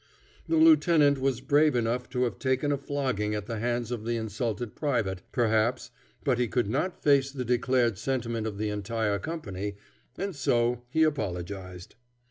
The lieutenant was brave enough to have taken a flogging at the hands of the insulted private, perhaps, but he could not face the declared sentiment of the entire company, and so he apologized.